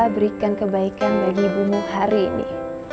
berikan kebaikan bagi ibumu hari ini